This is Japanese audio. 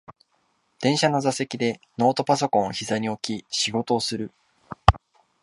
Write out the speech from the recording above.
電車の座席でノートパソコンをひざに置き仕事をする